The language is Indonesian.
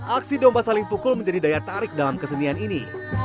aksi domba saling pukul menjadi daya tarik dalam kesenian ini